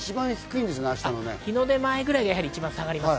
日の出前ぐらいが一番下がります。